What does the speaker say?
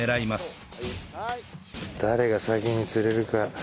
誰が先に釣れるか。